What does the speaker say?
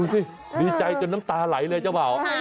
สิดีใจจนน้ำตาไหลเลยเจ้าบ่าว